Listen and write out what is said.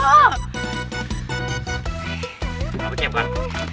เอาไปเก็บก่อน